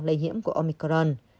lây nhiễm của omicron